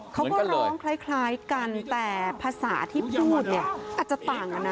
เขาก็ร้องคล้ายกันแต่ภาษาที่พูดเนี่ยอาจจะต่างกันนะ